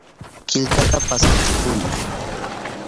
Killkata paskachihuni.